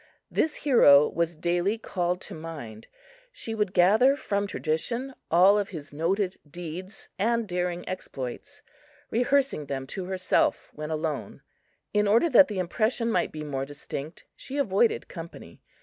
This hero was daily called to mind. She would gather from tradition all of his noted deeds and daring exploits, rehearsing them to herself when alone. In order that the impression might be more distinct, she avoided company.